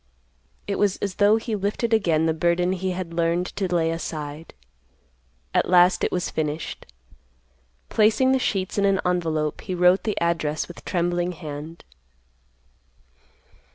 It was as though he lifted again the burden he had learned to lay aside. At last it was finished. Placing the sheets in an envelope, he wrote the address with trembling hand.